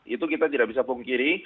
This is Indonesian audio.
itu kita tidak bisa pungkiri